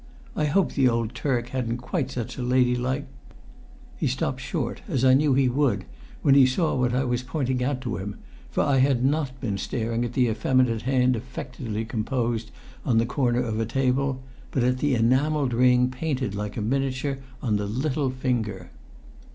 I hope the old Turk hadn't quite such a ladylike " He stopped short, as I knew he would when he saw what I was pointing out to him; for I had not been staring at the effeminate hand affectedly composed on the corner of a table, but at the enamelled ring painted like a miniature on the little finger.